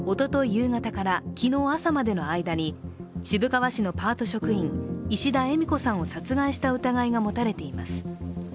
夕方から昨日朝までの間に渋川市のパート職員・石田えみ子さんを殺害した疑いが持たれています。